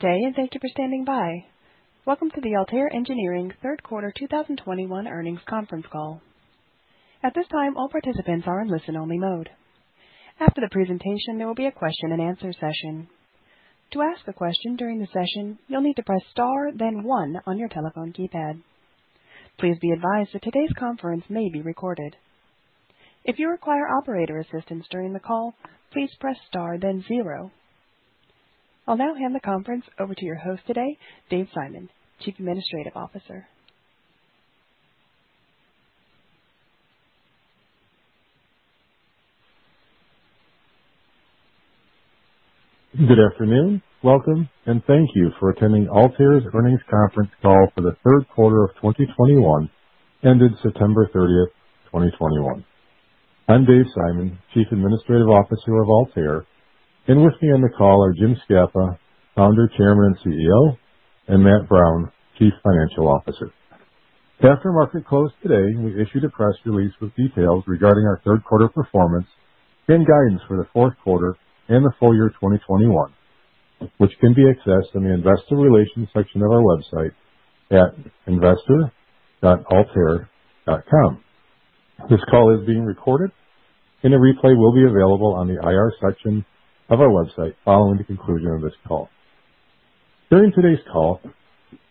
day, and thank you for standing by. Welcome to the Altair Engineering Third Quarter 2021 Earnings Conference Call. At this time, all participants are in listen-only mode. After the presentation, there will be a question and answer session. To ask a question during the session, you'll need to press star then one on your telephone keypad. Please be advised that today's conference may be recorded. If you require operator assistance during the call, please press star then zero. I'll now hand the conference over to your host today, Dave Simon, Chief Administrative Officer. Good afternoon. Welcome and thank you for attending Altair's Earnings Conference Call for the Third Quarter of 2021, ended September 30th, 2021. I'm Dave Simon, Chief Administrative Officer of Altair. With me on the call are Jim Scapa, Founder, Chairman, and CEO, and Matt Brown, Chief Financial Officer. After market close today, we issued a press release with details regarding our third quarter performance and guidance for the fourth quarter and the full year 2021, which can be accessed in the investor relations section of our website at investor.altair.com. This call is being recorded, and a replay will be available on the IR section of our website following the conclusion of this call. During today's call,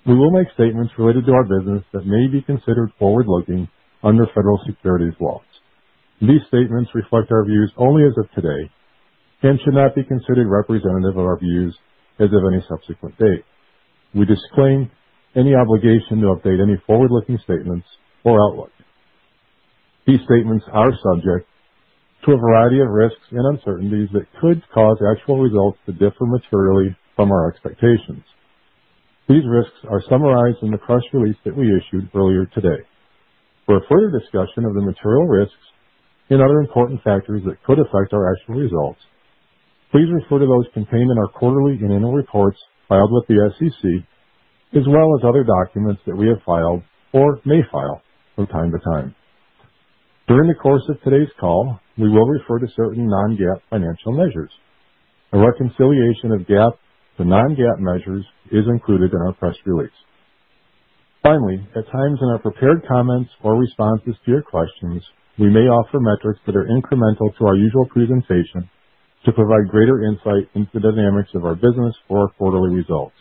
we will make statements related to our business that may be considered forward-looking under federal securities laws. These statements reflect our views only as of today and should not be considered representative of our views as of any subsequent date. We disclaim any obligation to update any forward-looking statements or outlook. These statements are subject to a variety of risks and uncertainties that could cause actual results to differ materially from our expectations. These risks are summarized in the press release that we issued earlier today. For a fuller discussion of the material risks and other important factors that could affect our actual results, please refer to those contained in our quarterly and annual reports filed with the SEC, as well as other documents that we have filed or may file from time to time. During the course of today's call, we will refer to certain non-GAAP financial measures. A reconciliation of GAAP to non-GAAP measures is included in our press release. Finally, at times in our prepared comments or responses to your questions, we may offer metrics that are incremental to our usual presentation to provide greater insight into the dynamics of our business or our quarterly results.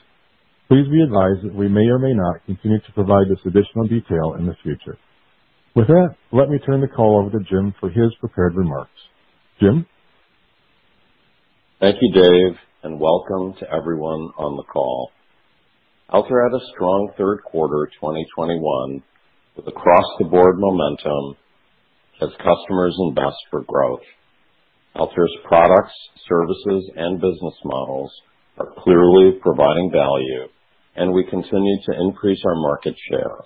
Please be advised that we may or may not continue to provide this additional detail in the future. With that, let me turn the call over to Jim for his prepared remarks. Jim? Thank you, Dave, and welcome to everyone on the call. Altair had a strong third quarter 2021 with across-the-board momentum as customers invest for growth. Altair's products, services, and business models are clearly providing value, and we continue to increase our market share.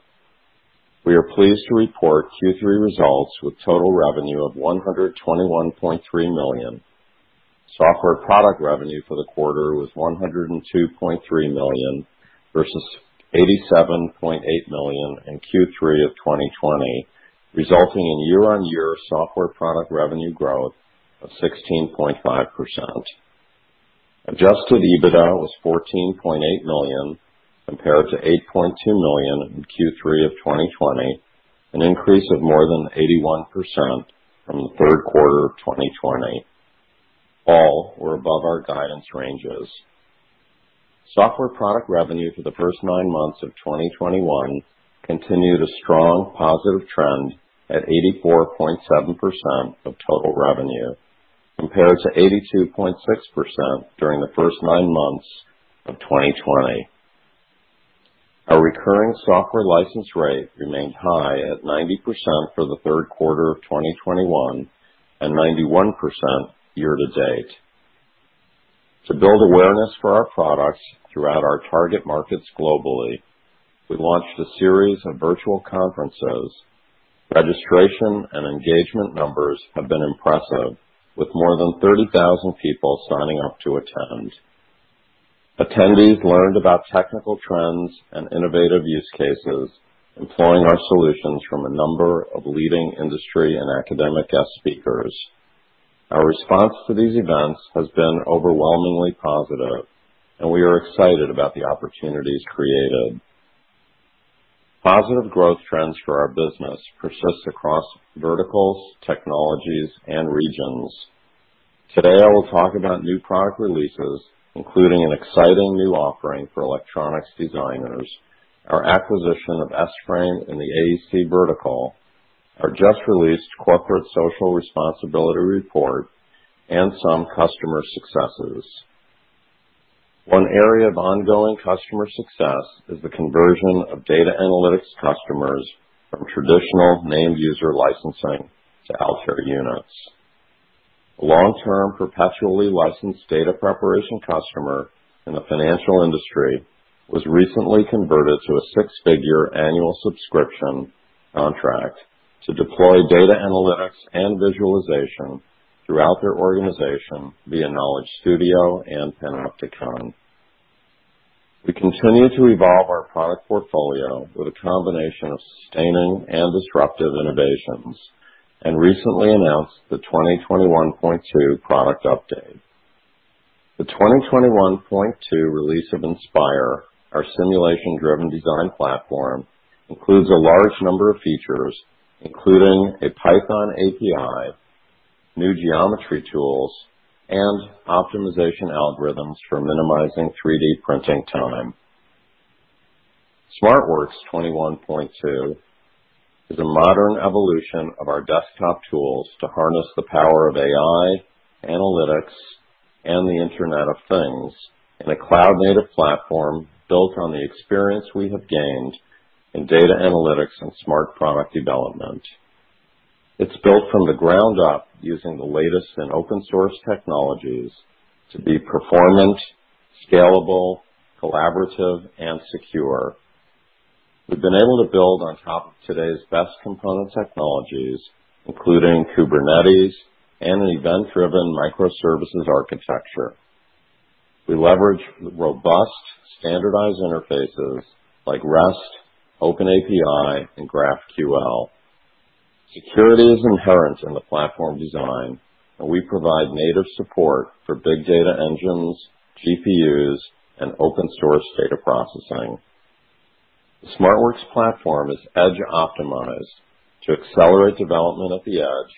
We are pleased to report Q3 results with total revenue of $121.3 million. Software product revenue for the quarter was $102.3 million versus $87.8 million in Q3 of 2020, resulting in year-on-year software product revenue growth of 16.5%. Adjusted EBITDA was $14.8 million compared to $8.2 million in Q3 of 2020, an increase of more than 81% from the third quarter of 2020. All were above our guidance ranges. Software product revenue for the first nine months of 2021 continued a strong positive trend at 84.7% of total revenue compared to 82.6% during the first nine months of 2020. Our recurring software license rate remained high at 90% for the third quarter of 2021 and 91% year to date. To build awareness for our products throughout our target markets globally, we launched a series of virtual conferences. Registration and engagement numbers have been impressive, with more than 30,000 people signing up to attend. Attendees learned about technical trends and innovative use cases employing our solutions from a number of leading industry and academic guest speakers. Our response to these events has been overwhelmingly positive, and we are excited about the opportunities created. Positive growth trends for our business persist across verticals, technologies, and regions. Today, I will talk about new product releases, including an exciting new offering for electronics designers, our acquisition of S-FRAME in the AEC vertical, our just-released Corporate Social Responsibility report, and some customer successes. One area of ongoing customer success is the conversion of data analytics customers from traditional named-user licensing to Altair Units. A long-term perpetually licensed data preparation customer in the financial industry was recently converted to a six-figure annual subscription contract to deploy data analytics and visualization throughout their organization via Knowledge Studio and Panopticon. We continue to evolve our product portfolio with a combination of sustaining and disruptive innovations. Recently announced the 2021.2 product update. The 2021.2 release of Inspire, our Simulation-Driven Design platform, includes a large number of features, including a Python API, new geometry tools, and optimization algorithms for minimizing 3D printing time. SmartWorks 21.2 is a modern evolution of our desktop tools to harness the power of AI, analytics, and the Internet of Things in a cloud-native platform built on the experience we have gained in data analytics and smart product development. It's built from the ground up using the latest in open-source technologies to be performant, scalable, collaborative, and secure. We've been able to build on top of today's best component technologies, including Kubernetes and an event-driven microservices architecture. We leverage robust standardized interfaces like REST, OpenAPI, and GraphQL. Security is inherent in the platform design, and we provide native support for big data engines, GPUs, and open-source data processing. The SmartWorks platform is edge-optimized to accelerate development at the edge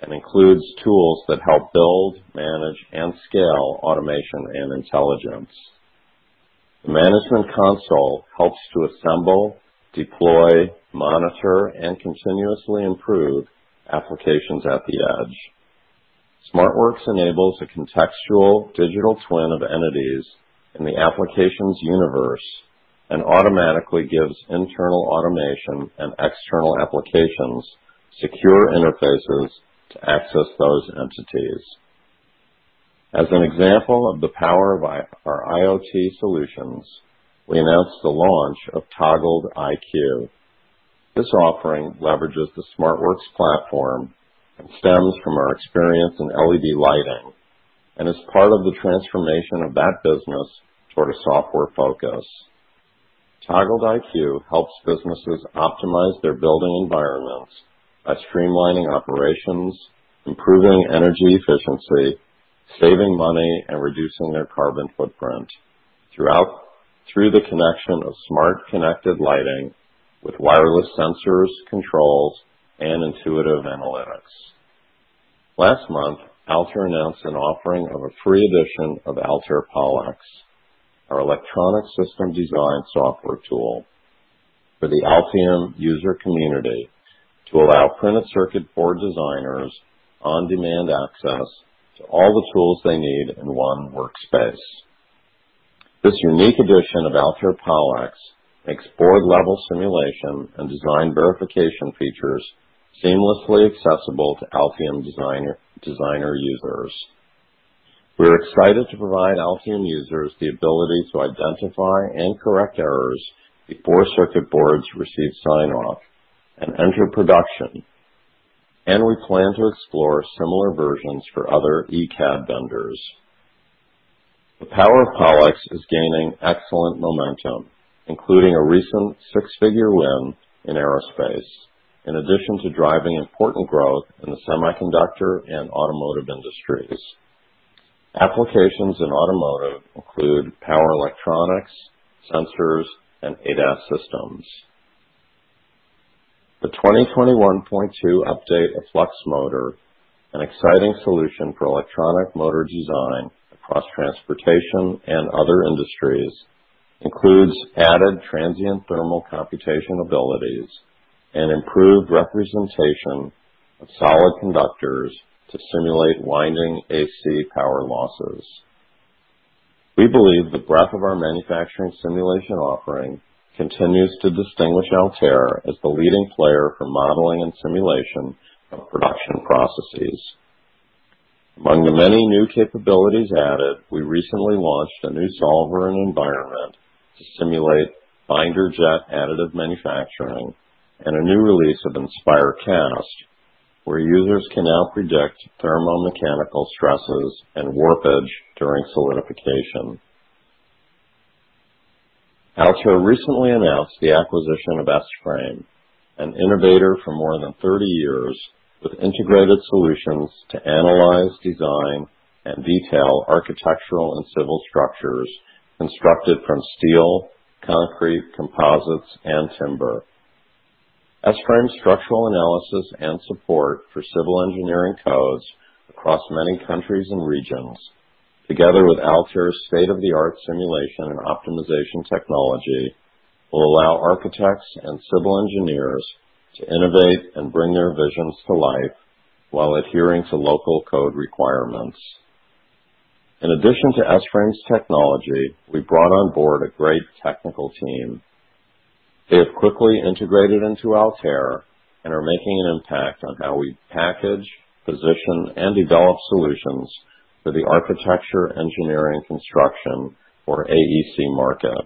and includes tools that help build, manage, and scale automation and intelligence. The management console helps to assemble, deploy, monitor, and continuously improve applications at the edge. SmartWorks enables a contextual digital twin of entities in the applications universe and automatically gives internal automation and external applications secure interfaces to access those entities. As an example of the power of our IoT solutions, we announced the launch of Toggled iQ. This offering leverages the SmartWorks platform and stems from our experience in LED lighting, and is part of the transformation of that business toward a software focus. Toggled iQ helps businesses optimize their building environments by streamlining operations, improving energy efficiency, saving money, and reducing their carbon footprint through the connection of smart connected lighting with wireless sensors, controls, and intuitive analytics. Last month, Altair announced an offering of a free edition of Altair PollEx, our electronic system design software tool for the Altium user community to allow printed circuit board designers on-demand access to all the tools they need in one workspace. This unique edition of Altair PollEx makes board-level simulation and design verification features seamlessly accessible to Altium Designer users. We are excited to provide Altium users the ability to identify and correct errors before circuit boards receive sign-off and enter production, and we plan to explore similar versions for other ECAD vendors. The power of PollEx is gaining excellent momentum, including a recent six-figure win in aerospace, in addition to driving important growth in the semiconductor and automotive industries. Applications in automotive include power electronics, sensors, and ADAS systems. The 2021.2 update of FluxMotor, an exciting solution for electronic motor design across transportation and other industries, includes added transient thermal computation abilities and improved representation of solid conductors to simulate winding AC power losses. We believe the breadth of our manufacturing simulation offering continues to distinguish Altair as the leading player for modeling and simulation of production processes. Among the many new capabilities added, we recently launched a new Solver and Environment to simulate binder jet additive manufacturing, and a new release of Inspire Cast, where users can now predict thermomechanical stresses and warpage during solidification. Altair recently announced the acquisition of S-FRAME, an innovator for more than 30 years with integrated solutions to analyze, design, and detail architectural and civil structures constructed from steel, concrete, composites, and timber. S-FRAME's structural analysis and support for civil engineering codes across many countries and regions, together with Altair's state-of-the-art simulation and optimization technology, will allow architects and civil engineers to innovate and bring their visions to life while adhering to local code requirements. In addition to S-FRAME's technology, we brought on board a great technical team. They have quickly integrated into Altair and are making an impact on how we package, position, and develop solutions for the architecture, engineering, and construction, or AEC market,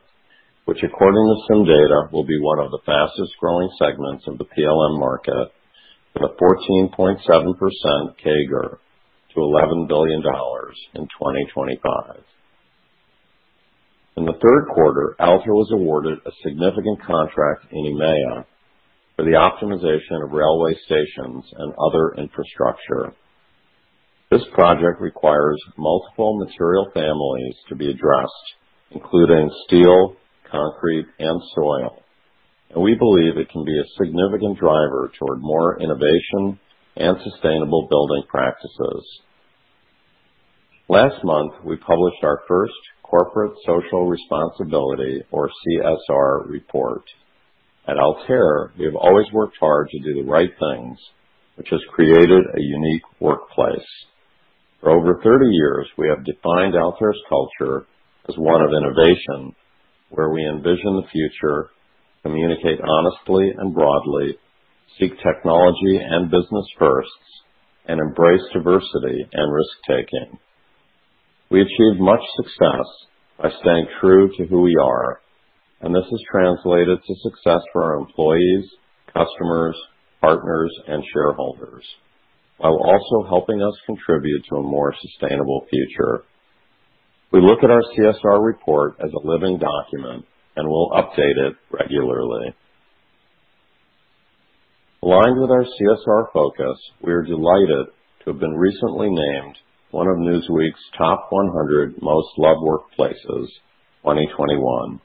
which according to some data, will be one of the fastest-growing segments of the PLM market, with a 14.7% CAGR to $11 billion in 2025. In the third quarter, Altair was awarded a significant contract in EMEA for the optimization of railway stations and other infrastructure. This project requires multiple material families to be addressed, including steel, concrete, and soil, and we believe it can be a significant driver toward more innovation and sustainable building practices. Last month, we published our first Corporate Social Responsibility, or CSR report. At Altair, we have always worked hard to do the right things, which has created a unique workplace. For over 30 years, we have defined Altair's culture as one of innovation, where we envision the future, communicate honestly and broadly, seek technology and business firsts, and embrace diversity and risk-taking. We achieved much success by staying true to who we are, and this has translated to success for our employees, customers, partners, and shareholders, while also helping us contribute to a more sustainable future. We look at our CSR report as a living document, and we'll update it regularly. Aligned with our CSR focus, we are delighted to have been recently named one of Newsweek's Top 100 Most Loved Workplaces 2021.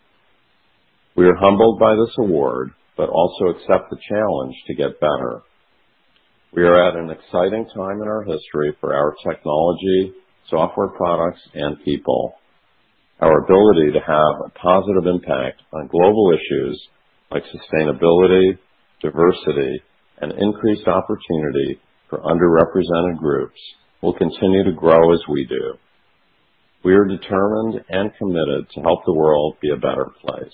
We are humbled by this award, but also accept the challenge to get better. We are at an exciting time in our history for our technology, software products, and people. Our ability to have a positive impact on global issues like sustainability, diversity, and increased opportunity for underrepresented groups will continue to grow as we do. We are determined and committed to help the world be a better place.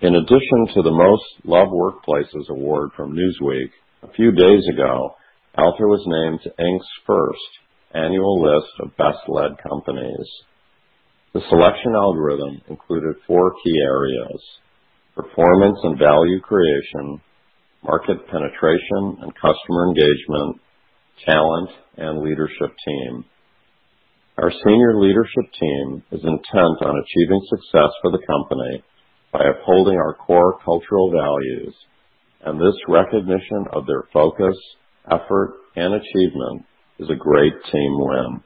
In addition to the Most Loved Workplaces award from Newsweek, a few days ago, Altair was named to Inc.'s first annual list of Best-Led Companies. The selection algorithm included four key areas, performance and value creation, market penetration and customer engagement, talent, and leadership team. Our senior leadership team is intent on achieving success for the company by upholding our Core Cultural Values, and this recognition of their Focus, Effort, and Achievement is a great team win.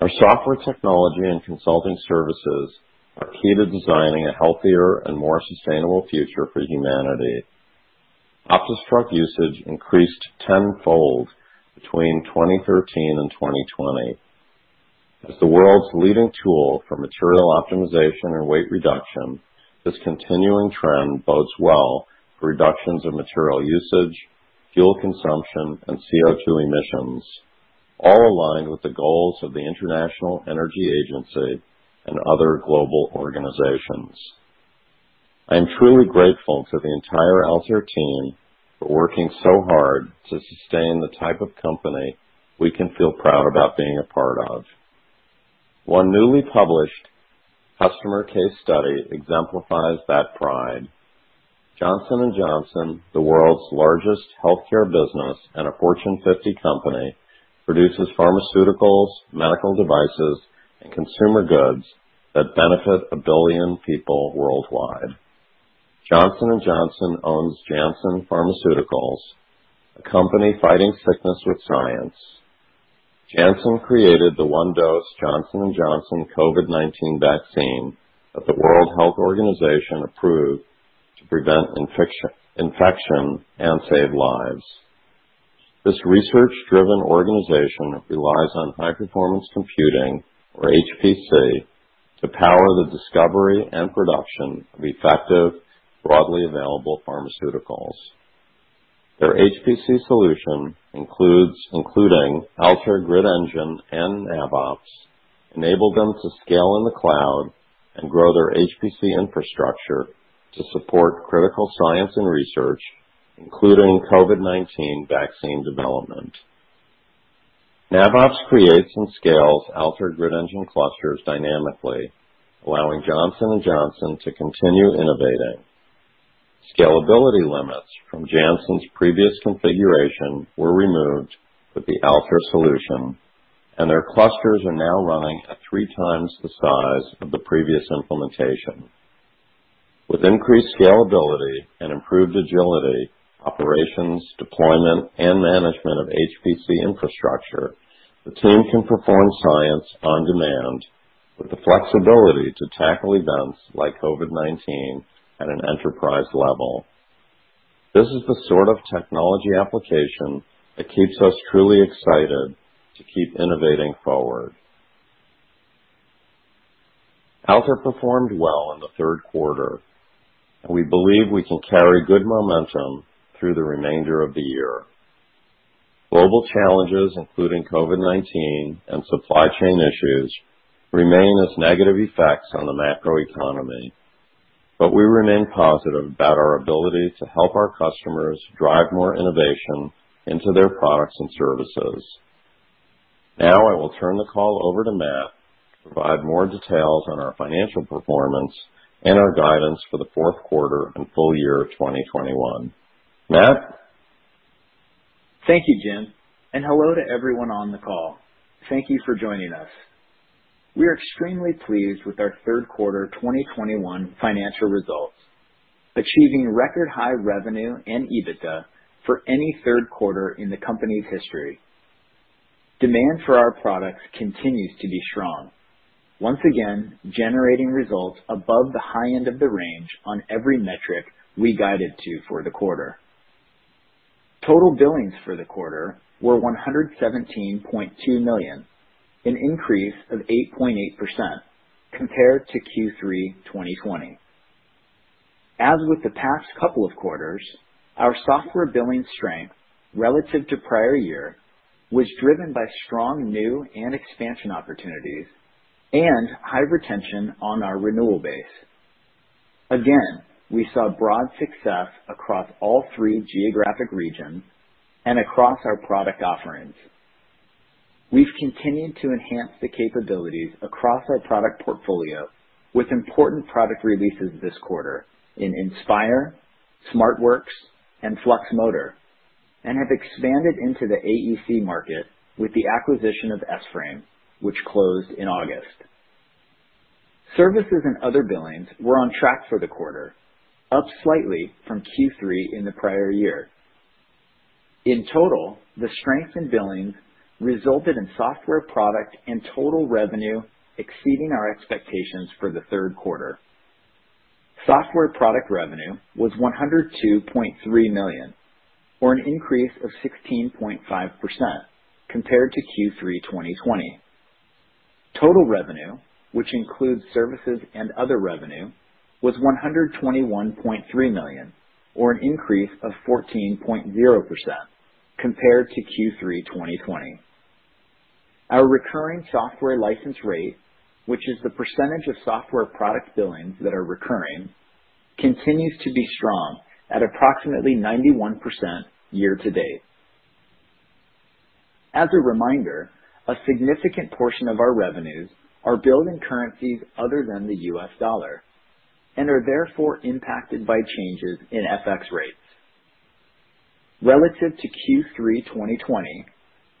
Our software technology and consulting services are key to designing a healthier and more sustainable future for humanity. OptiStruct usage increased tenfold between 2013 and 2020. As the world's leading tool for material optimization and weight reduction, this continuing trend bodes well for reductions in material usage, fuel consumption, and CO2 emissions, all aligned with the goals of the International Energy Agency and other global organizations. I am truly grateful to the entire Altair team for working so hard to sustain the type of company we can feel proud about being a part of. One newly published customer case study exemplifies that pride. Johnson & Johnson, the world's largest healthcare business and a Fortune 50 company, produces pharmaceuticals, medical devices, and consumer goods that benefit a billion people worldwide. Johnson & Johnson owns Janssen Pharmaceuticals, a company fighting sickness with science. Janssen created the one-dose Johnson & Johnson COVID-19 vaccine that the World Health Organization approved to prevent infection and save lives. This research-driven organization relies on High-Performance Computing, or HPC, to power the discovery and production of effective, broadly available pharmaceuticals. Their HPC solution, including Altair Grid Engine and NavOps, enabled them to scale in the cloud and grow their HPC infrastructure to support critical science and research, including COVID-19 vaccine development. NavOps creates and scales Altair Grid Engine clusters dynamically, allowing Johnson & Johnson to continue innovating. Scalability limits from Janssen's previous configuration were removed with the Altair solution, and their clusters are now running at three times the size of the previous implementation. With increased scalability and improved agility in operations, deployment, and management of HPC infrastructure, the team can perform science on demand with the flexibility to tackle events like COVID-19 at an enterprise level. This is the sort of technology application that keeps us truly excited to keep innovating forward. Altair performed well in the third quarter, and we believe we can carry good momentum through the remainder of the year. Global challenges, including COVID-19 and supply chain issues, remain as negative effects on the macroeconomy, but we remain positive about our ability to help our customers drive more innovation into their products and services. Now I will turn the call over to Matt to provide more details on our financial performance and our guidance for the fourth quarter and full year of 2021. Matt? Thank you, Jim, and hello to everyone on the call. Thank you for joining us. We are extremely pleased with our third quarter 2021 financial results, achieving record high revenue and EBITDA for any third quarter in the company's history. Demand for our products continues to be strong, once again, generating results above the high end of the range on every metric we guided to for the quarter. Total billings for the quarter were $117.2 million, an increase of 8.8% compared to Q3 2020. As with the past couple of quarters, our software billing strength relative to prior year was driven by strong new and expansion opportunities and high retention on our renewal base. Again, we saw broad success across all three geographic regions and across our product offerings. We've continued to enhance the capabilities across our product portfolio with important product releases this quarter in Inspire, SmartWorks, and FluxMotor, and have expanded into the AEC market with the acquisition of S-FRAME, which closed in August. Services and other billings were on track for the quarter, up slightly from Q3 in the prior year. In total, the strength in billings resulted in software product and total revenue exceeding our expectations for the third quarter. Software product revenue was $102.3 million, or an increase of 16.5% compared to Q3 2020. Total revenue, which includes services and other revenue, was $121.3 million, or an increase of 14.0% compared to Q3 2020. Our recurring software license rate, which is the percentage of software product billings that are recurring, continues to be strong at approximately 91% year to date. As a reminder, a significant portion of our revenues are billed in currencies other than the US dollar and are therefore impacted by changes in FX rates. Relative to Q3 2020,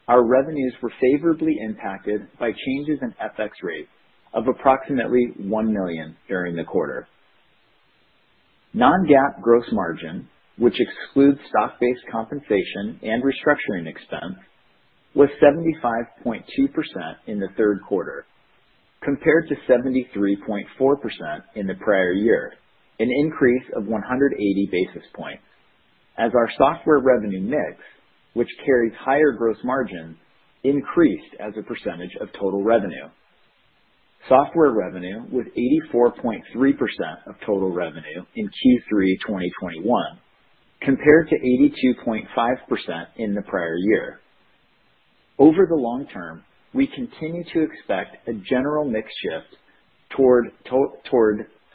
our revenues were favorably impacted by changes in FX rates of approximately $1 million during the quarter. Non-GAAP gross margin, which excludes stock-based compensation and restructuring expense, was 75.2% in the third quarter, compared to 73.4% in the prior year, an increase of 180 basis points as our software revenue mix, which carries higher gross margin, increased as a percentage of total revenue. Software revenue was 84.3% of total revenue in Q3 2021, compared to 82.5% in the prior year. Over the long term, we continue to expect a general mix shift toward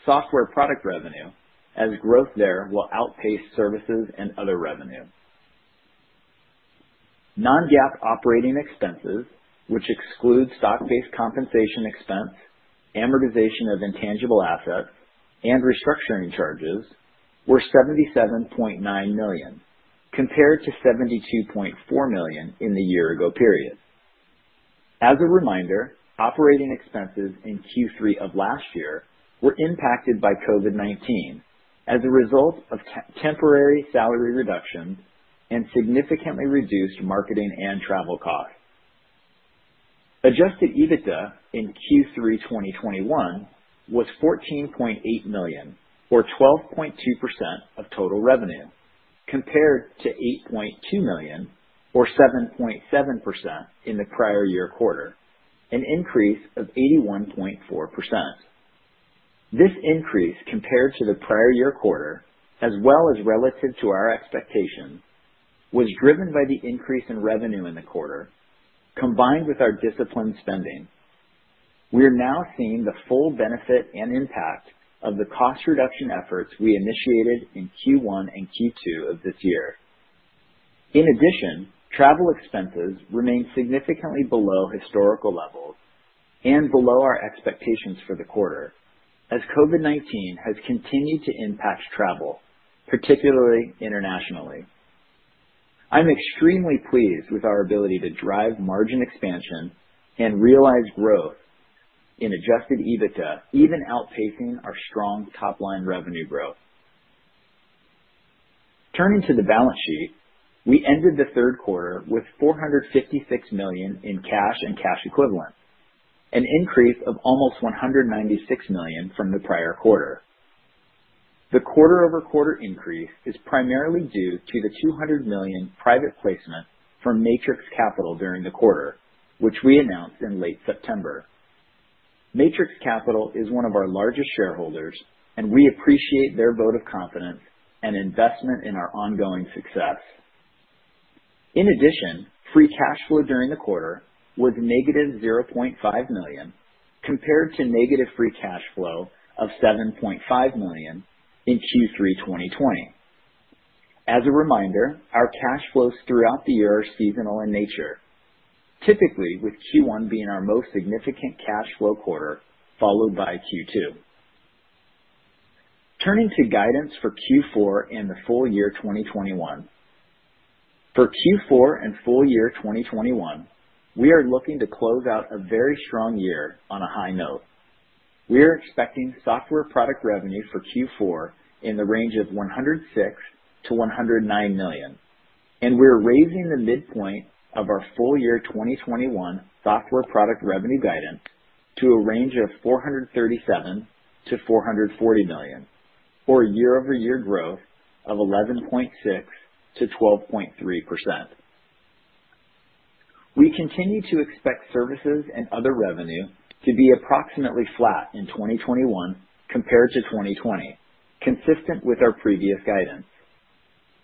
software product revenue as growth there will outpace services and other revenue. Non-GAAP operating expenses, which excludes stock-based compensation expense, amortization of intangible assets, and restructuring charges, were $77.9 million, compared to $72.4 million in the year ago period. As a reminder, operating expenses in Q3 of last year were impacted by COVID-19 as a result of temporary salary reductions and significantly reduced marketing and travel costs. Adjusted EBITDA in Q3 2021 was $14.8 million or 12.2% of total revenue, compared to $8.2 million or 7.7% in the prior year quarter, an increase of 81.4%. This increase compared to the prior year quarter as well as relative to our expectations, was driven by the increase in revenue in the quarter combined with our disciplined spending. We are now seeing the full benefit and impact of the cost reduction efforts we initiated in Q1 and Q2 of this year. In addition, travel expenses remain significantly below historical levels and below our expectations for the quarter as COVID-19 has continued to impact travel, particularly internationally. I'm extremely pleased with our ability to drive margin expansion and realize growth in Adjusted EBITDA, even outpacing our strong top-line revenue growth. Turning to the balance sheet. We ended the third quarter with $456 million in cash and cash equivalents, an increase of almost $196 million from the prior quarter. The quarter-over-quarter increase is primarily due to the $200 million private placement from Matrix Capital during the quarter, which we announced in late September. Matrix Capital is one of our largest shareholders and we appreciate their vote of confidence and investment in our ongoing success. In addition, free cash flow during the quarter was negative $0.5 million, compared to negative free cash flow of $7.5 million in Q3 2020. As a reminder, our cash flows throughout the year are seasonal in nature, typically with Q1 being our most significant cash flow quarter, followed by Q2. Turning to guidance for Q4 and the full year 2021. For Q4 and full year 2021, we are looking to close out a very strong year on a high note. We are expecting software product revenue for Q4 in the range of $106 million-$109 million, and we're raising the midpoint of our full year 2021 software product revenue guidance to a range of $437 million-$440 million, or a year-over-year growth of 11.6%-12.3%. We continue to expect services and other revenue to be approximately flat in 2021 compared to 2020, consistent with our previous guidance.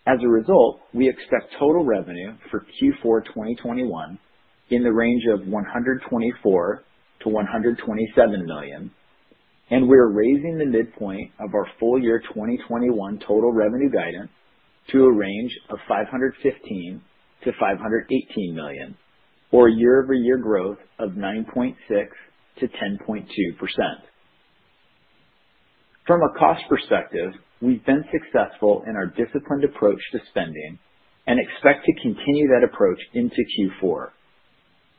As a result, we expect total revenue for Q4 2021 in the range of $124 million-$127 million. We are raising the midpoint of our full year 2021 total revenue guidance to a range of $515 million-$518 million, or a year-over-year growth of 9.6%-10.2%. From a cost perspective, we've been successful in our disciplined approach to spending and expect to continue that approach into Q4.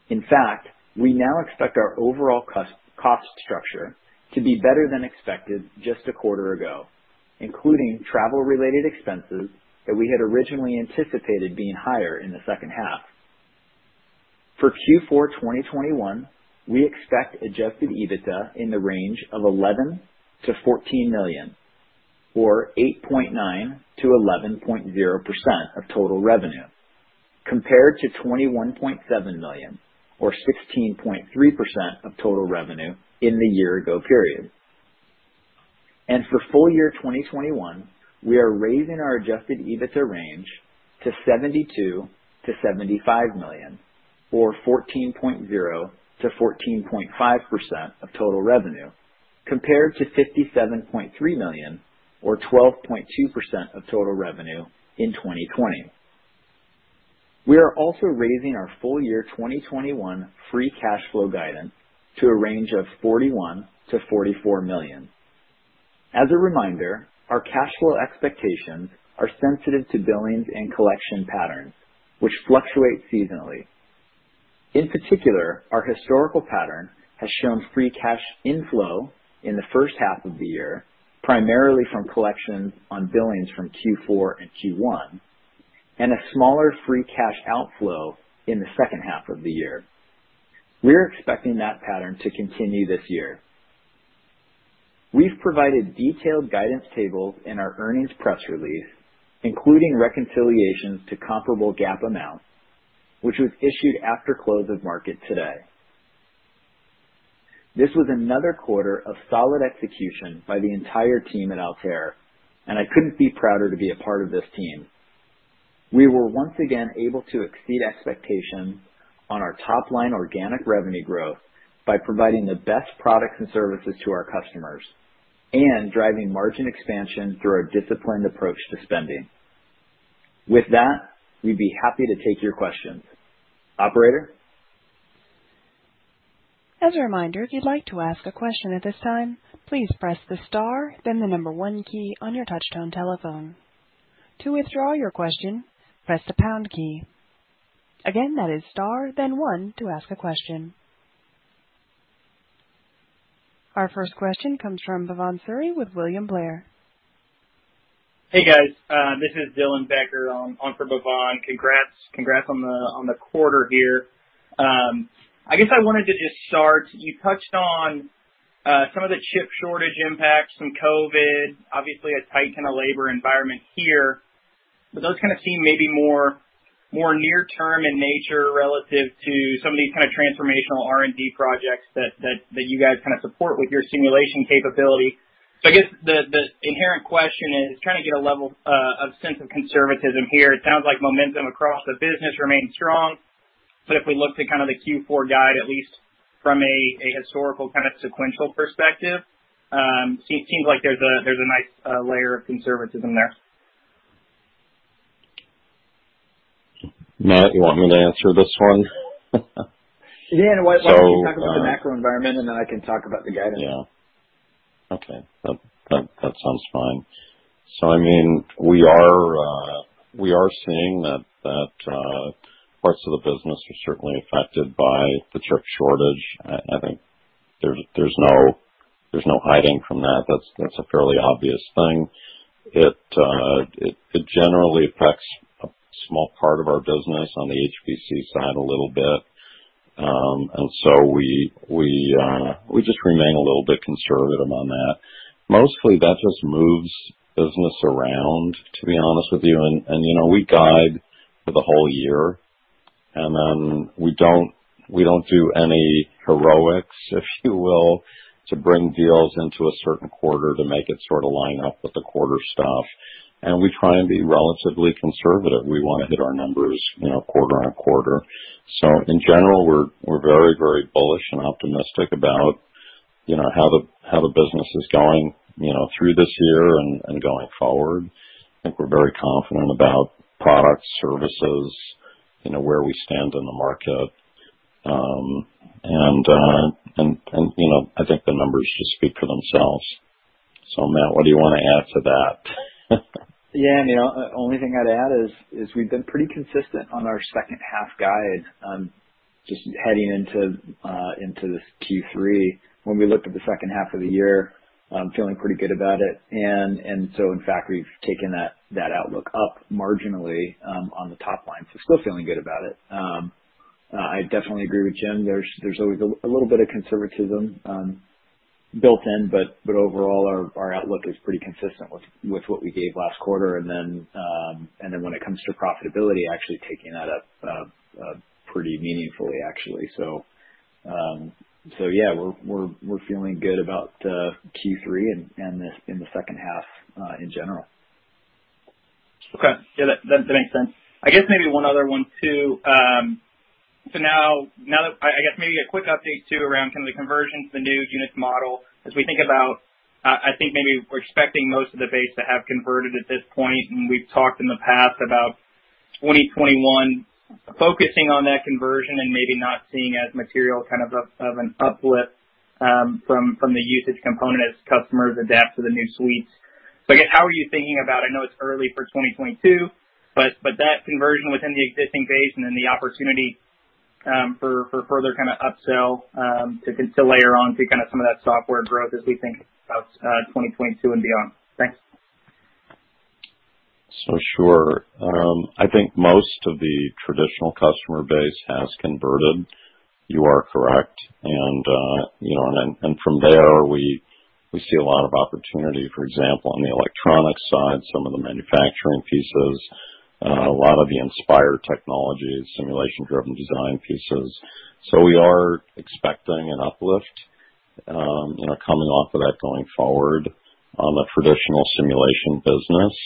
In fact, we now expect our overall cost structure to be better than expected just a quarter ago, including travel-related expenses that we had originally anticipated being higher in the second half. For Q4 2021, we expect Adjusted EBITDA in the range of $11 million-$14 million or 8.9%-11.0% of total revenue, compared to $21.7 million or 16.3% of total revenue in the year ago period. For full year 2021, we are raising our Adjusted EBITDA range to $72 million-$75 million or 14.0%-14.5% of total revenue, compared to $57.3 million or 12.2% of total revenue in 2020. We are also raising our full year 2021 free cash flow guidance to a range of $41 million-$44 million. As a reminder, our cash flow expectations are sensitive to billings and collection patterns, which fluctuate seasonally. In particular, our historical pattern has shown free cash inflow in the first half of the year, primarily from collections on billings from Q4 and Q1, and a smaller free cash outflow in the second half of the year. We're expecting that pattern to continue this year. We've provided detailed guidance tables in our earnings press release, including reconciliations to comparable GAAP amounts, which was issued after close of market today. This was another quarter of solid execution by the entire team at Altair, and I couldn't be prouder to be a part of this team. We were once again able to exceed expectations on our top line organic revenue growth by providing the best products and services to our customers and driving margin expansion through our disciplined approach to spending. With that, we'd be happy to take your questions. Operator? Our first question comes from Bhavan Suri with William Blair. Hey, guys. This is Dylan Becker on for Bhavan Suri. Congrats on the quarter here. I guess I wanted to just start. You touched on some of the chip shortage impacts, some COVID, obviously a tight kind of labor environment here. But those kind of seem maybe more near-term in nature relative to some of these kind of transformational R&D projects that you guys kind of support with your simulation capability. I guess the inherent question is trying to get a level, a sense of conservatism here. It sounds like momentum across the business remains strong. But if we look to kind of the Q4 guide, at least from a historical kind of sequential perspective, it seems like there's a nice layer of conservatism there. Matt, you want me to answer this one? Yeah. Why- So, uh- Don't you talk about the macro environment, and then I can talk about the guidance. Yeah. Okay. That sounds fine. I mean, we are seeing that parts of the business are certainly affected by the chip shortage. I think there's no hiding from that. That's a fairly obvious thing. It generally affects a small part of our business on the HPC side a little bit. We just remain a little bit conservative on that. Mostly, that just moves business around, to be honest with you. You know, we guide for the whole year, and we don't do any heroics, if you will, to bring deals into a certain quarter to make it sort of line up with the quarter stuff. We try and be relatively conservative. We wanna hit our numbers, you know, quarter on quarter. In general, we're very bullish and optimistic about, you know, how the business is going, you know, through this year and going forward. I think we're very confident about products, services, you know, where we stand in the market. You know, I think the numbers just speak for themselves. Matt, what do you wanna add to that? Yeah, I mean, only thing I'd add is we've been pretty consistent on our second half guide just heading into this Q3. When we looked at the second half of the year, I'm feeling pretty good about it. In fact, we've taken that outlook up marginally on the top line. Still feeling good about it. I definitely agree with Jim. There's always a little bit of conservatism built in, but overall our outlook is pretty consistent with what we gave last quarter. When it comes to profitability, we're actually taking that up pretty meaningfully, actually. Yeah, we're feeling good about Q3 and the second half in general. Okay. Yeah, that makes sense. I guess maybe one other one too. So now that I guess maybe a quick update too around kind of the conversion to the new units model as we think about, I think maybe we're expecting most of the base to have converted at this point, and we've talked in the past about 2021 focusing on that conversion and maybe not seeing as material kind of uplift from the usage component as customers adapt to the new suites. I guess, how are you thinking about, I know it's early for 2022, but that conversion within the existing base and then the opportunity for further kinda upsell to layer on to kinda some of that software growth as we think about 2022 and beyond? Thanks. Sure. I think most of the traditional customer base has converted. You are correct. From there, we see a lot of opportunity. For example, on the electronics side, some of the manufacturing pieces, a lot of the Inspire technologies, Simulation-Driven Design pieces. We are expecting an uplift, you know, coming off of that going forward on the traditional simulation business.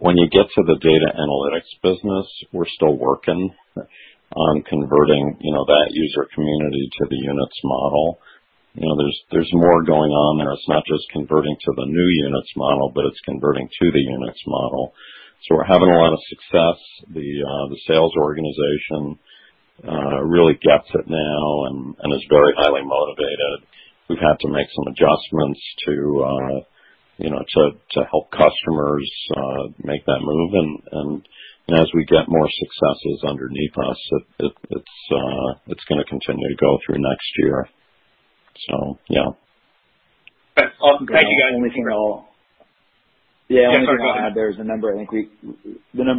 When you get to the data analytics business, we're still working on converting, you know, that user community to the Units model. You know, there's more going on there. It's not just converting to the new Units model, but it's converting to the Units model. We're having a lot of success. The sales organization really gets it now and is very highly motivated. We've had to make some adjustments to, you know, to help customers make that move. As we get more successes underneath us, it's gonna continue to go through next year. Yeah. Okay. Awesome. Thank you, guys. The only thing I'll- Yeah. I'm sorry. Go ahead. Yeah. The only thing I'll add there is the number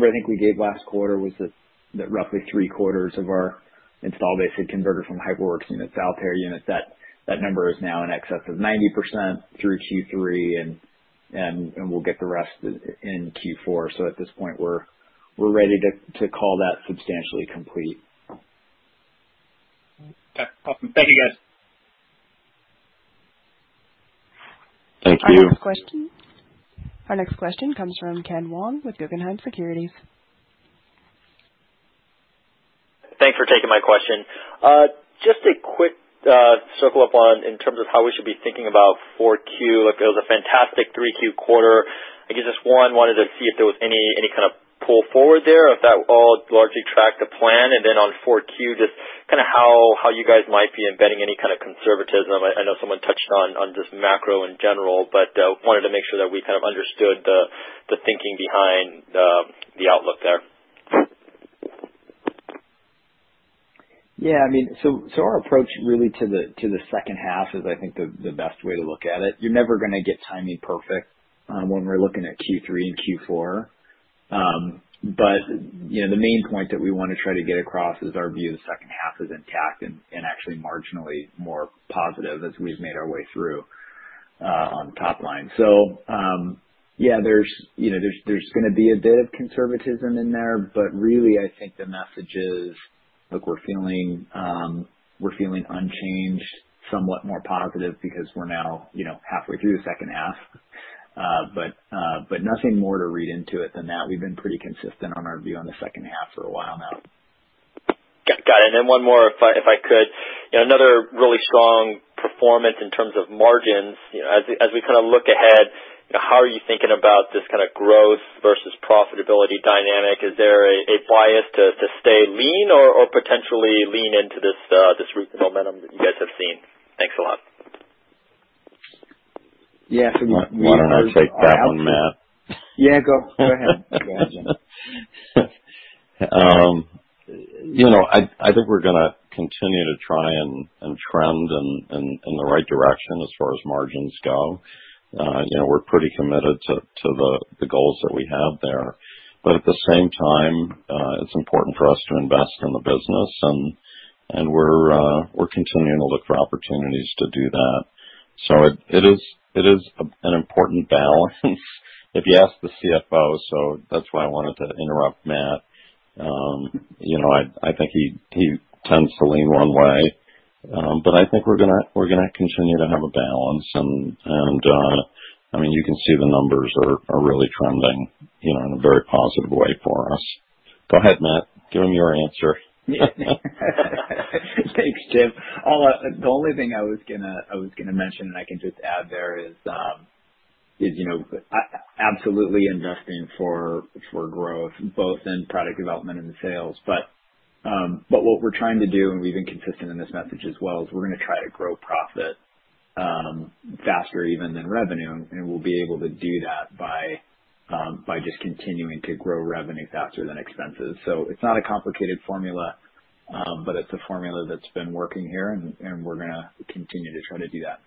I think we gave last quarter was that roughly three-quarters of our install base had converted from HyperWorks Units, Altair Units. That number is now in excess of 90% through Q3, and we'll get the rest in Q4. At this point, we're ready to call that substantially complete. Okay. Awesome. Thank you, guys. Thank you. Our next question comes from Ken Wong with Guggenheim Securities. Thanks for taking my question. Just a quick circle up on in terms of how we should be thinking about 4Q. It was a fantastic 3Q quarter. I guess just one wanted to see if there was any kind of pull forward there or if that all largely tracked to plan. On 4Q, just kinda how you guys might be embedding any kind of conservatism. I know someone touched on on just macro in general, but wanted to make sure that we kind of understood the thinking behind the outlook there. Yeah, I mean, our approach really to the second half is I think the best way to look at it. You're never gonna get timing perfect, when we're looking at Q3 and Q4. You know, the main point that we wanna try to get across is our view of the second half is intact and actually marginally more positive as we've made our way through on top line. Yeah, you know, there's gonna be a bit of conservatism in there. Really, I think the message is, look, we're feeling unchanged, somewhat more positive because we're now, you know, halfway through the second half. Nothing more to read into it than that. We've been pretty consistent on our view on the second half for a while now. Got it. One more if I could. You know, another really strong performance in terms of margins. You know, as we kind of look ahead, you know, how are you thinking about this kinda growth versus profitability dynamic? Is there a bias to stay lean or potentially lean into this recent momentum that you guys have seen? Thanks a lot. Yeah. Why don't I take that one, Matt? Yeah, go ahead, Jim. You know, I think we're gonna continue to try and trend in the right direction as far as margins go. You know, we're pretty committed to the goals that we have there. At the same time, it's important for us to invest in the business and we're continuing to look for opportunities to do that. It is an important balance. If you ask the CFO, that's why I wanted to interrupt Matt. You know, I think he tends to lean one way. I think we're gonna continue to have a balance and, I mean, you can see the numbers are really trending, you know, in a very positive way for us. Go ahead, Matt. Give them your answer. Thanks, Jim. Oh, the only thing I was gonna mention, and I can just add there, is. Yes, you know, absolutely investing for growth, both in product development and in sales. But what we're trying to do, and we've been consistent in this message as well, is we're gonna try to grow profit faster even than revenue, and we'll be able to do that by just continuing to grow revenue faster than expenses. It's not a complicated formula, but it's a formula that's been working here, and we're gonna continue to try to do that.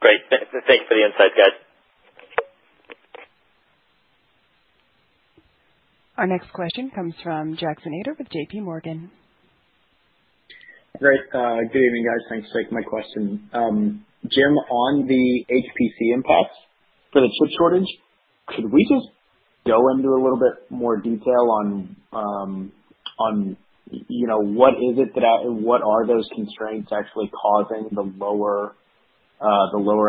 Great. Thanks for the insight, guys. Our next question comes from Jackson Ader with JPMorgan. Great. Good evening, guys. Thanks. My question, Jim, on the HPC impacts for the chip shortage, could we just go into a little bit more detail on, you know, what are those constraints actually causing the lower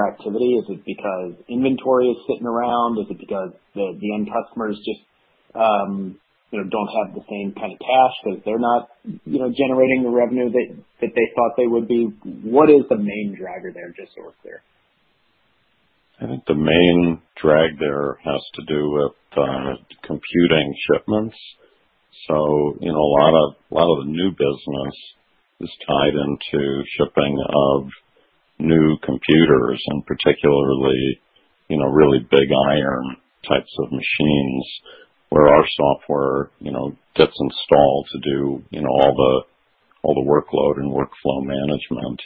activity? Is it because inventory is sitting around? Is it because the end customers just, you know, don't have the same kind of cash 'cause they're not, you know, generating the revenue that they thought they would be? What is the main driver there, just so we're clear? I think the main drag there has to do with computing shipments. You know, a lot of the new business is tied into shipping of new computers and particularly, you know, really big iron types of machines where our software, you know, gets installed to do, you know, all the workload and workflow management.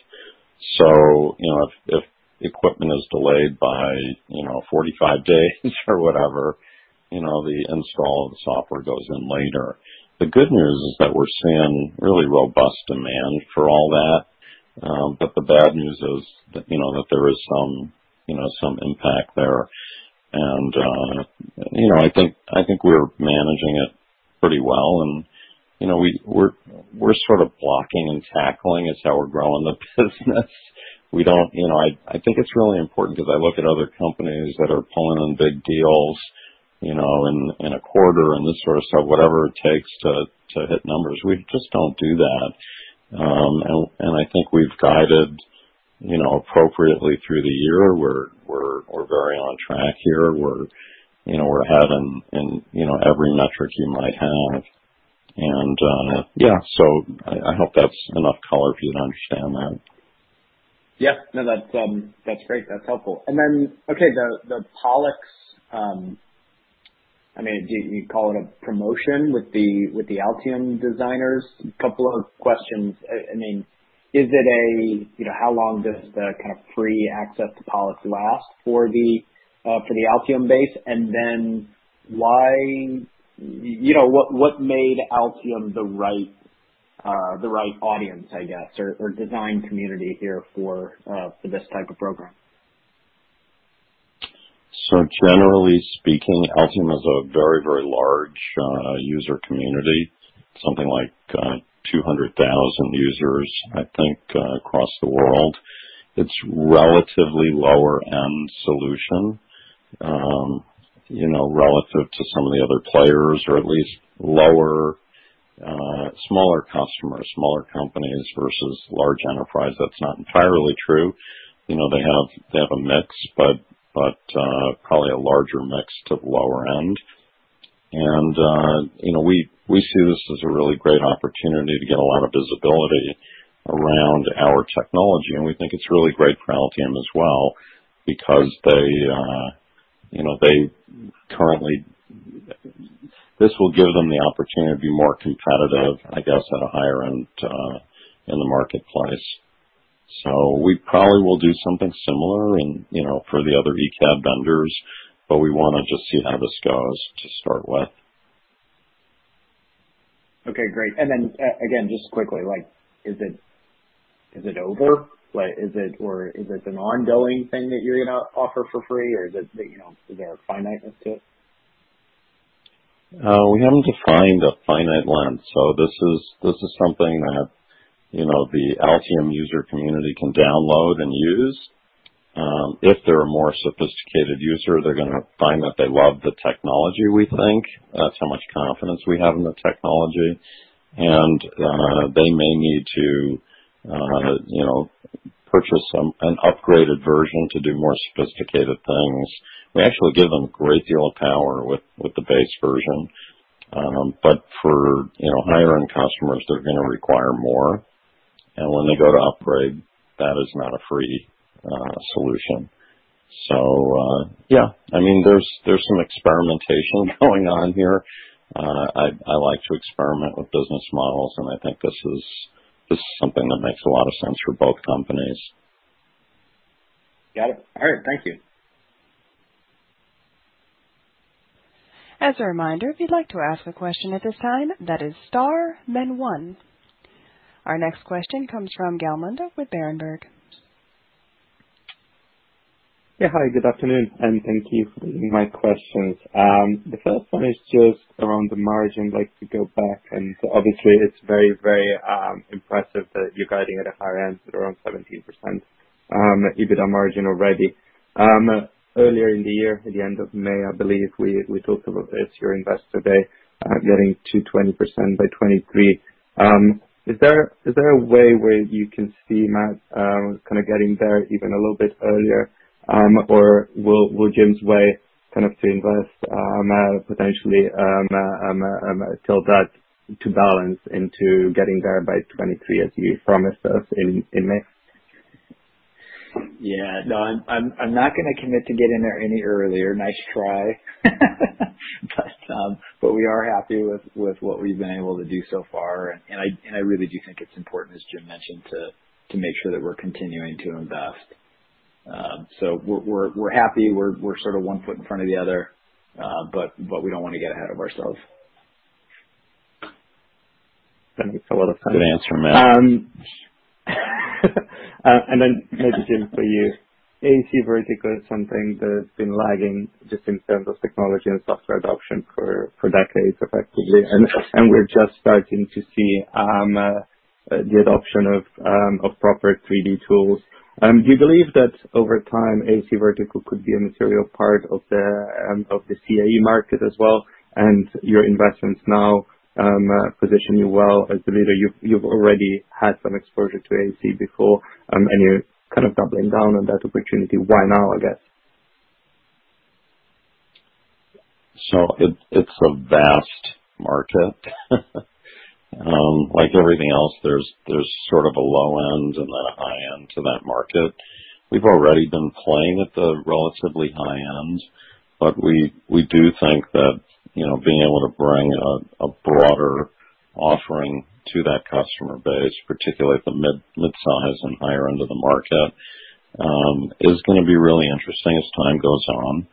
You know, if equipment is delayed by, you know, 45 days or whatever, you know, the install of the software goes in later. The good news is that we're seeing really robust demand for all that. But the bad news is that, you know, that there is some, you know, some impact there. You know, I think we're managing it pretty well. You know, we're sort of blocking and tackling is how we're growing the business. We don't...You know, I think it's really important because I look at other companies that are pulling on big deals, you know, in a quarter and this sort of stuff, whatever it takes to hit numbers. We just don't do that. I think we've guided, you know, appropriately through the year. We're very on track here. We're, you know, ahead in you know, every metric you might have. Yeah, I hope that's enough color for you to understand that. Yeah. No, that's great. That's helpful. Okay, the PollEx, I mean, do you call it a promotion with the Altium Designers? A couple of questions. I mean, is it, you know, how long does the kind of free access to PollEx last for the Altium base? And then why, you know, what made Altium the right audience, I guess, or design community here for this type of program? Generally speaking, Altium is a very, very large user community, something like 200,000 users, I think, across the world. It's relatively lower end solution, you know, relative to some of the other players, or at least lower, smaller customers, smaller companies versus large enterprise. That's not entirely true. You know, they have a mix, but probably a larger mix to the lower end. You know, we see this as a really great opportunity to get a lot of visibility around our technology, and we think it's really great for Altium as well because they, you know, they currently. This will give them the opportunity to be more competitive, I guess, at a higher end in the marketplace. We probably will do something similar and, you know, for the other ECAD vendors, but we wanna just see how this goes to start with. Okay, great. Again, just quickly, like, is it over? Like, is it or is it an ongoing thing that you're gonna offer for free or is it, you know, is there a finite length to it? We haven't defined a finite length, so this is something that, you know, the Altium user community can download and use. If they're a more sophisticated user, they're gonna find that they love the technology, we think. That's how much confidence we have in the technology. They may need to, you know, purchase an upgraded version to do more sophisticated things. We actually give them a great deal of power with the base version. For, you know, higher end customers, they're gonna require more. When they go to upgrade, that is not a free solution. Yeah, I mean, there's some experimentation going on here. I like to experiment with business models, and I think this is something that makes a lot of sense for both companies. Got it. All right. Thank you. As a reminder, if you'd like to ask a question at this time, that is star then one. Our next question comes from Gal Munda with Berenberg. Yeah, hi, good afternoon, and thank you for my questions. The first one is just around the margin. I'd like to go back, and obviously it's very impressive that you're guiding at a higher end at around 17% EBITDA margin already. Earlier in the year, at the end of May, I believe we talked about this, your Investor Day, getting to 20% by 2023. Is there a way where you can see, Matt, kind of getting there even a little bit earlier? Or will Jim's way kind of seeing this tilt that to balance into getting there by 2023 as you promised us in May? Yeah. No, I'm not gonna commit to getting there any earlier. Nice try. We are happy with what we've been able to do so far. I really do think it's important, as Jim mentioned, to make sure that we're continuing to invest. We're happy. We're sort of one foot in front of the other. We don't wanna get ahead of ourselves. That makes a lot of sense. Good answer, Matt. Maybe, Jim, for you. AEC vertical is something that has been lagging just in terms of technology and software adoption for decades, effectively. We're just starting to see the adoption of proper 3D tools. Do you believe that over time, AEC vertical could be a material part of the CAE market as well? Your investments now position you well as the leader. You've already had some exposure to AEC before, and you're kind of doubling down on that opportunity. Why now, I guess? It's a vast market. Like everything else, there's sort of a low end and then a high end to that market. We've already been playing at the relatively high end, but we do think that, you know, being able to bring a broader offering to that customer base, particularly at the mid-size and higher end of the market, is gonna be really interesting as time goes on.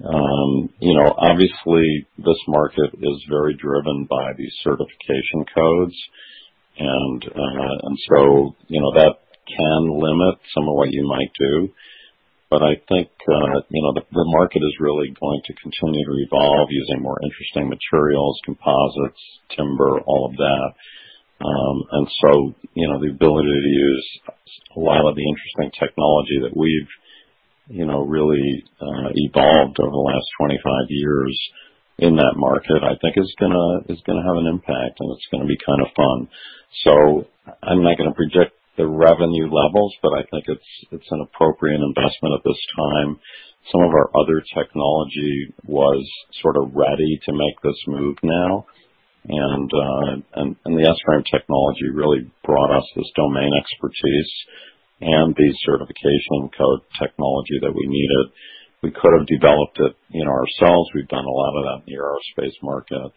You know, obviously this market is very driven by these certification codes. You know, that can limit some of what you might do. I think, you know, the market is really going to continue to evolve using more interesting materials, composites, timber, all of that. You know, the ability to use a lot of the interesting technology that we've, you know, really evolved over the last 25 years in that market, I think is gonna have an impact, and it's gonna be kind of fun. I'm not gonna predict the revenue levels, but I think it's an appropriate investment at this time. Some of our other technology was sort of ready to make this move now. The S-FRAME technology really brought us this domain expertise and the certification code technology that we needed. We could have developed it, you know, ourselves. We've done a lot of that in the aerospace market.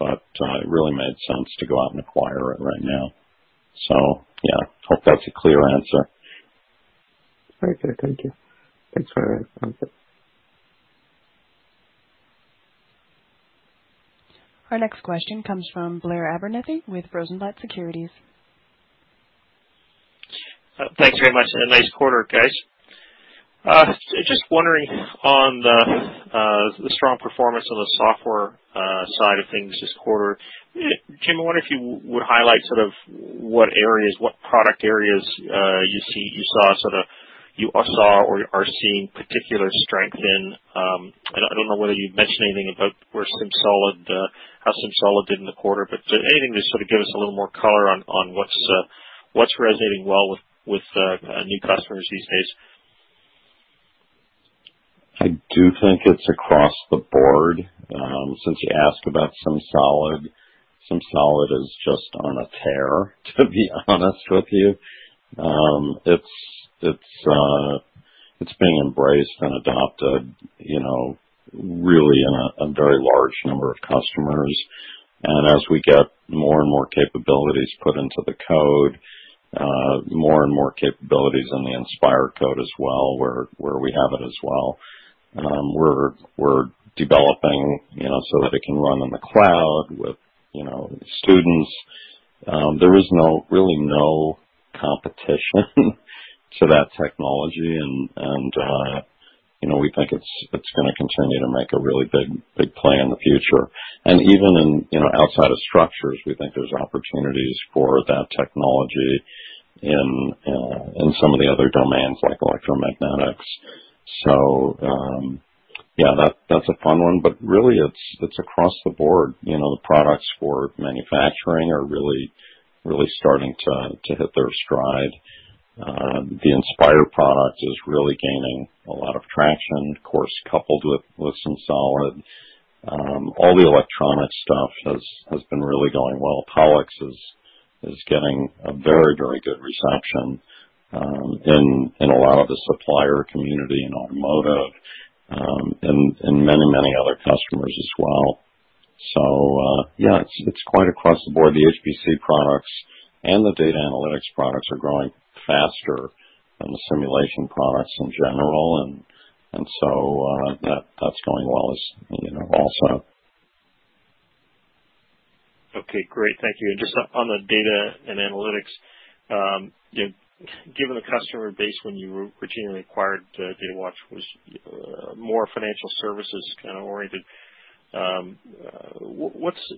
It really made sense to go out and acquire it right now. Yeah. Hope that's a clear answer. Very clear. Thank you. Thanks for the answer. Our next question comes from Blair Abernethy with Rosenblatt Securities. Thanks very much, and nice quarter, guys. Just wondering on the strong performance on the software side of things this quarter. Jim, I wonder if you would highlight sort of what areas, what product areas, you saw or are seeing particular strength in. And I don't know whether you'd mention anything about how SimSolid did in the quarter. Anything to sort of give us a little more color on what's resonating well with new customers these days. I do think it's across the board. Since you asked about SimSolid is just on a tear, to be honest with you. It's being embraced and adopted, you know, really in a very large number of customers. As we get more and more capabilities put into the code, more and more capabilities in the Inspire code as well, where we have it as well. We're developing, you know, so that it can run on the cloud with, you know, students. There is really no competition to that technology. We think it's gonna continue to make a really big play in the future. Even in, you know, outside of structures, we think there's opportunities for that technology in some of the other domains like electromagnetics. Yeah, that's a fun one. Really it's across the board. You know, the products for manufacturing are really starting to hit their stride. The Inspire product is really gaining a lot of traction, of course, coupled with SimSolid. All the electronic stuff has been really going well. PollEx is getting a very good reception in a lot of the supplier community, in automotive, and many other customers as well. Yeah, it's quite across the board. The HPC products and the data analytics products are growing faster than the simulation products in general. So that's going well as you know also. Okay. Great. Thank you. Just on the data and analytics. You know, given the customer base when you originally acquired Datawatch was more financial services kind of oriented.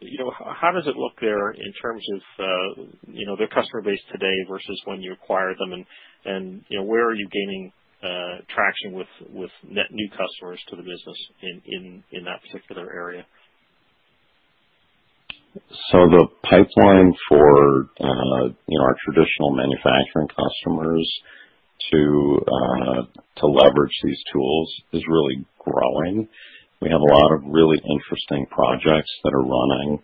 You know, how does it look there in terms of you know, their customer base today versus when you acquired them? You know, where are you gaining traction with net new customers to the business in that particular area? The pipeline for you know our traditional manufacturing customers to leverage these tools is really growing. We have a lot of really interesting projects that are running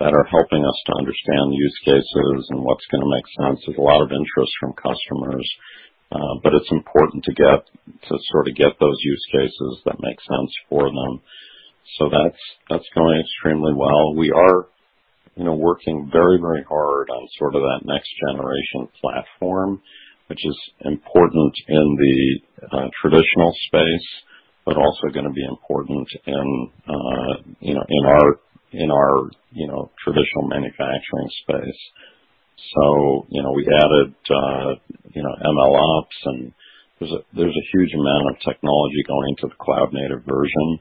that are helping us to understand use cases and what's gonna make sense. There's a lot of interest from customers, but it's important to sort of get those use cases that make sense for them. That's going extremely well. We are you know working very very hard on sort of that next generation platform, which is important in the traditional space, but also gonna be important in you know in our traditional manufacturing space. You know we added you know MLOps, and there's a huge amount of technology going into the cloud-native version.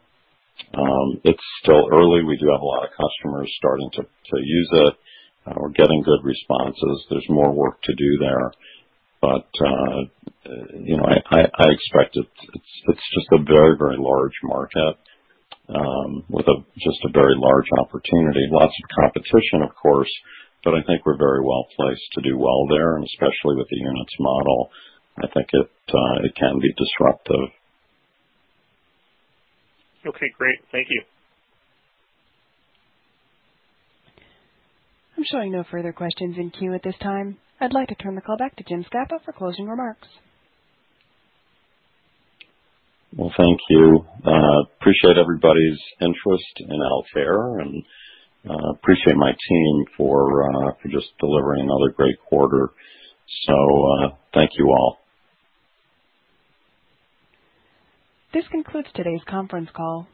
It's still early. We do have a lot of customers starting to use it. We're getting good responses. There's more work to do there. You know, I expect it. It's just a very large market with just a very large opportunity. Lots of competition, of course, but I think we're very well placed to do well there, and especially with the units model, I think it can be disruptive. Okay, great. Thank you. I'm showing no further questions in queue at this time. I'd like to turn the call back to Jim Scapa for closing remarks. Well, thank you. Appreciate everybody's interest in Altair. Appreciate my team for just delivering another great quarter. Thank you all. This concludes today's conference call.